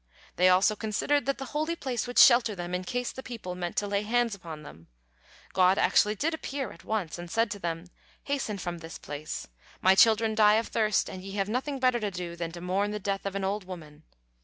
They also considered that the holy place would shelter them in case the people meant to lay hands upon them. God actually did appear at once, and said to them: "Hasten from this place; My children die of thirst, and ye have nothing better to do than to mourn the death of an old woman!"